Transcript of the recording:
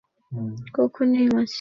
দিন বা রাত কখনই মাছ নেই।